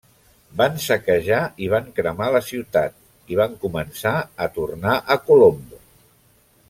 Van saquejar i van cremar la ciutat, i van començar a tornar a Colombo.